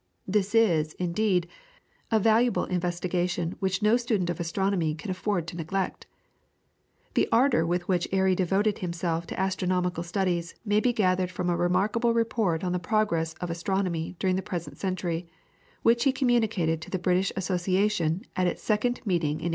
This is, indeed, a valuable investigation which no student of astronomy can afford to neglect. The ardour with which Airy devoted himself to astronomical studies may be gathered from a remarkable report on the progress of astronomy during the present century, which he communicated to the British Association at its second meeting in 1832.